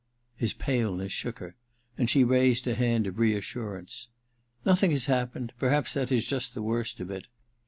' His paleness shook her, and she raised a hand of reassurance. ^Nothing has happened — perhaps that is just the worst of it.